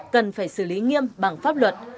cần phải xử lý nghiêm bằng pháp luật